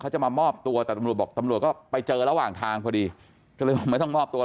จะมามอบตัวแต่ตำรวจไปเจอระหว่างทางพอดีไม่ต้องมอบตัว